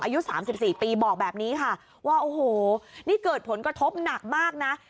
อายุ๓๔ปีบอกแบบนี้ค่ะว่าโอ้โหนี่เกิดผลกระทบหนักมากนะ